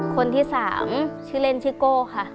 คนที่๓ชื่อเล่นชื่อโก้ค่ะ